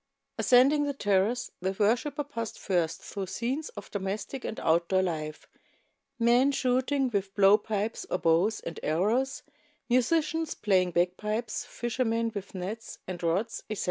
Ascending the terrace, the worshiper passed first through scenes of domestic and outdoor life, men shooting with blow pipes or bows and arrows, musicians playing bagpipes, fisher • men with nets and rods, etc.